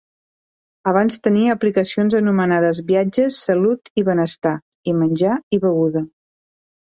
Abans tenia aplicacions anomenades Viatges, Salut i Benestar i Menjar i Beguda.